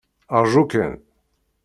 Ṛju kan.